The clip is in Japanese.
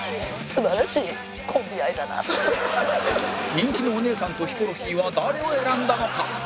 人気のお姉さんとヒコロヒーは誰を選んだのか？